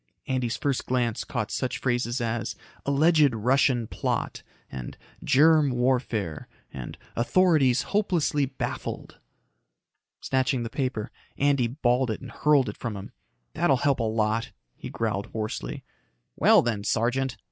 Andy's first glance caught such phrases as "alleged Russian plot" and "germ warfare" and "authorities hopelessly baffled." Snatching the paper, Andy balled it and hurled it from him. "That'll help a lot," he growled hoarsely. "Well, then, Sergeant."